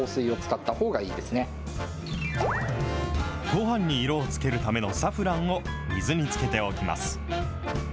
ごはんに色を付けるためのサフランを水につけておきます。